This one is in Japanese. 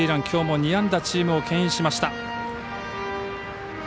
きょうも２安打チームをけん引しました。